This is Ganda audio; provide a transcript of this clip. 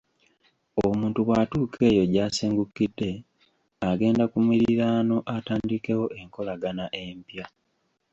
Omuntu bw’atuuka eyo gy’asengukidde, agenda ku miriraano atandikewo enkolagana empya.